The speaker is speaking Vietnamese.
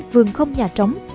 vườn không nhà trống